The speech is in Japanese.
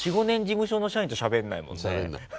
４５年事務所の社員としゃべんないもんね。